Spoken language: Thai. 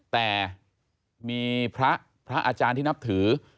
แต่มีพระพระอาจารย์ที่นับถือ